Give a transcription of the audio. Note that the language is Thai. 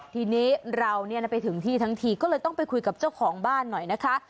ทีนี้เราไปถึงที่ทั้งทีก็เลยต้องไปคุยกับเจ้าของบ้านหน่อยนะคะ